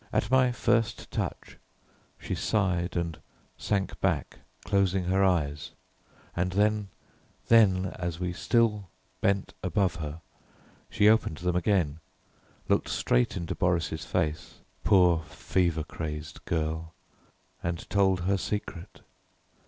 At my first touch she sighed and sank back, closing her eyes, and then then as we still bent above her, she opened them again, looked straight into Boris' face poor fever crazed girl! and told her secret.